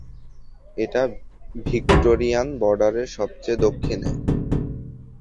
এটা ভিক্টোরিয়ান বর্ডারের সবচেয়ে দক্ষিণে।